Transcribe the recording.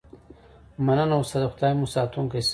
مننه استاده خدای مو ساتونکی شه